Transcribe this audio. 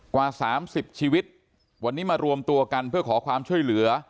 กว่า๓๐ชีวิตวันนี้มารวมตัวกันเพื่อขอความช่วยเหลือ